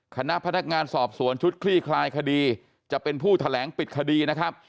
คณะพนักงานสอบสวนชุดคลี่คลายคดีจะเป็นผู้แถลงปิดคดีนะครับ